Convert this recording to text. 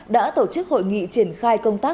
đã tổ chức hội nghị triển khai công tác